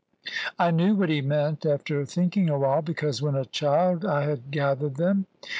I knew what he meant after thinking a while, because when a child I had gathered them.